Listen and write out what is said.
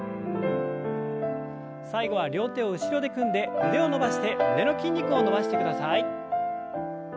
最後は両手を後ろで組んで腕を伸ばして胸の筋肉を伸ばしてください。